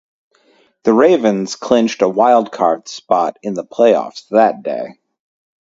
The Ravens clinched a Wild Card spot in the playoffs that day.